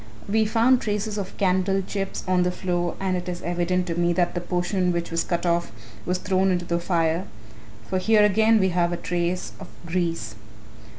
We found traces of candle chips on the floor and it is evident to me that the portion which was cut off was thrown into the fire, for here again we have a trace of grease."